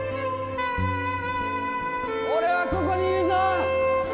俺はここにいるぞー！